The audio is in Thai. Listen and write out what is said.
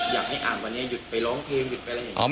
อยากให้อ่านวันนี้หยุดไปร้องเพลงหยุดไปอะไรอย่างนี้